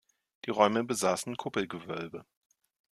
Die Räume besaßen Kuppelgewölbe.